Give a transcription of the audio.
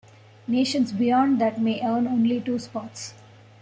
Nations beyond that may earn only two spots.